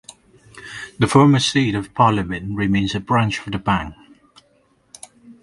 The former seat of parliament remains a branch of the bank.